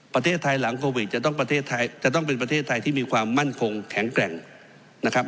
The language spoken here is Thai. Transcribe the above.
ประเทศไทยหลังโควิดจะต้องประเทศไทยจะต้องเป็นประเทศไทยที่มีความมั่นคงแข็งแกร่งนะครับ